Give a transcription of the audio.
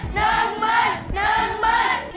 หนึ่งหมาย